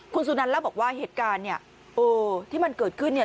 คุณสุนันเล่าบอกว่าเหตุการณ์เนี่ยโอ้ที่มันเกิดขึ้นเนี่ย